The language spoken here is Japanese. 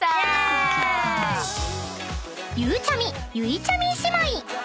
［ゆうちゃみゆいちゃみ姉妹］